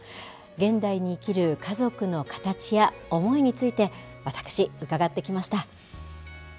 現代に生きる家族の形や思いについて私伺ってきました。